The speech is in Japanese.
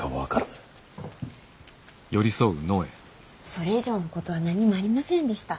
それ以上のことは何もありませんでした。